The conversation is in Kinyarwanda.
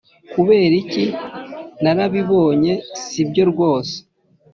'kubera iki, narabibonye, sibyo rwose